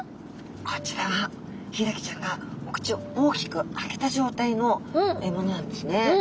こちらはヒイラギちゃんがお口を大きく開けた状態のものなんですね。